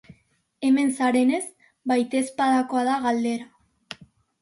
Hemen zarenez, baitezpadakoa da galdera.